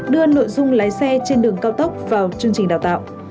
đưa nội dung lái xe trên đường cao tốc vào chương trình đào tạo